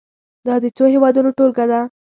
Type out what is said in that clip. دا د څو هېوادونو ټولګه ده.